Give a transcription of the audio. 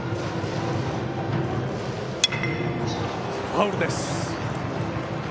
ファウルです。